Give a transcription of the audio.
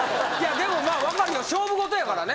でも分かるよ勝負事やからね。